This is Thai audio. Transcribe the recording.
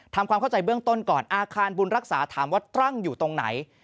ทำความเข้าใจเบื้องต้นก่อนอาคารบุญรักษาถามว่าตั้งอยู่ตรงไหน